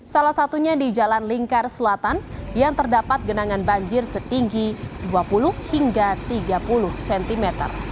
salah satunya di jalan lingkar selatan yang terdapat genangan banjir setinggi dua puluh hingga tiga puluh cm